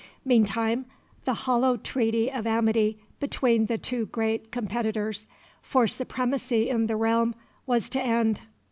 Meantime the hollow treaty of amity between the two great competitors for supremacy in the realm was to end.